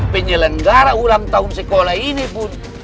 penyelenggara ulang tahun sekolah kita ini